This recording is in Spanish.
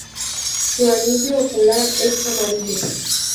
Su anillo ocular es amarillo.